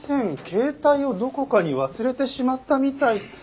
携帯をどこかに忘れてしまったみたい。